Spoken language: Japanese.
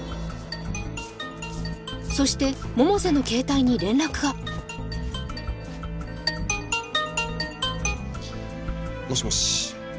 そして百瀬の携帯に連絡がもしもし？